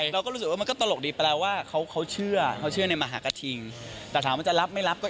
ดูดวงแม่นแต่ชีวิตจริง